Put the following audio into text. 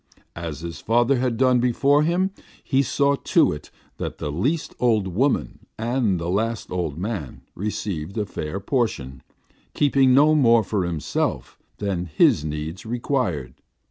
As his father had done before him, he saw to it that the least old woman and the last old man received a fair portion, keeping no more for himself than his needs required.